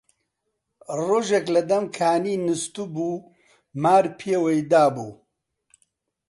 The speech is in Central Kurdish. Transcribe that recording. ڕۆژێک لە دەم کانی نوستبوو، مار پێوەی دابوو